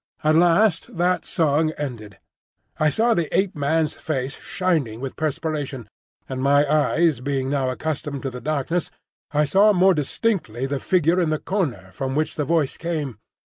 At last that song ended. I saw the Ape man's face shining with perspiration; and my eyes being now accustomed to the darkness, I saw more distinctly the figure in the corner from which the voice came.